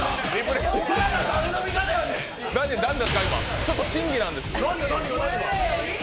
ちょっと審議です。